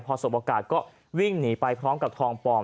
พอสบโอกาสก็วิ่งหนีไปพร้อมกับทองปลอม